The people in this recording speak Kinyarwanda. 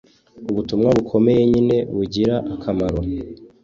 Ubutumwa bukomeye nyine bugira akamaro